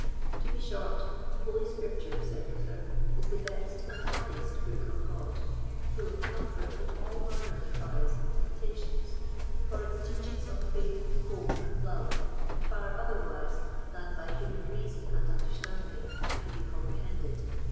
To be short, the Holy Scripture, said Luther, is the best and highest book of God, full of comfort in all manner of trials and temptations; for it teacheth of Faith, Hope, and Love far otherwise than by human reason and understanding can be comprehended.